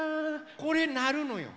これなるのよ。